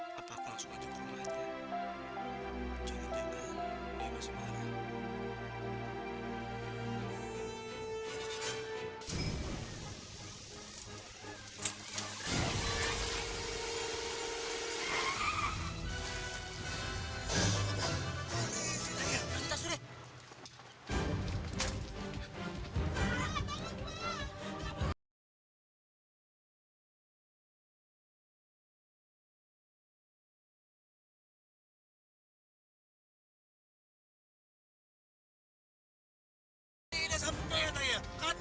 rumah kecil ini kan daerah bebas